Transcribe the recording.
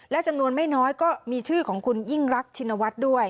และจำนวนไม่น้อยก็มีชื่อของคุณยิ่งรักชินวัฒน์ด้วย